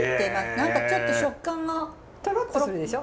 何かちょっと食感がトロッとするでしょ？